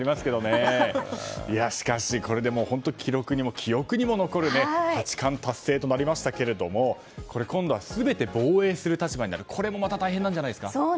しかし、これでもう記録にも記憶にも残る八冠達成となりましたけど今度は全て防衛する立場になるのも大変なんじゃないですか。